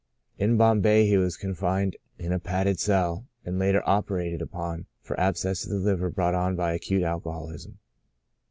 In Bombay he was confined in a padded cell, and later operated upon for abscess of the liver brought on by acute alcoholism.